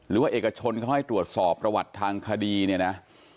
หรือว่าเอกชนเขาให้ตรวจสอบประวัติทางคดีเนี่ยนะ